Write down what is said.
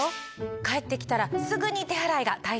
帰ってきたらすぐに手洗いが大切ですね！